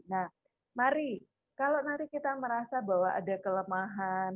nah mari kalau nanti kita merasa bahwa ada kelemahan